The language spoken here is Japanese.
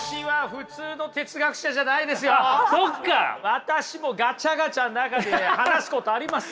私もガチャガチャの中で話すことありますよ。